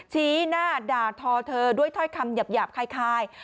ชี้หน้าด่าทอเธอด้วยถ้อยคำหยาบคล้าย